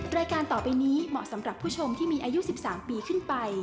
รายการต่อไปนี้เหมาะสำหรับผู้ชมที่มีอายุ๑๓ปีขึ้นไป